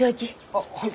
あっはい。